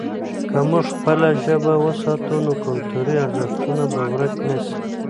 که موږ خپله ژبه وساتو، نو کلتوري ارزښتونه به ورک نه سي.